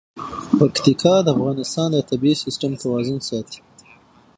پکتیکا د افغانستان د طبعي سیسټم توازن ساتي.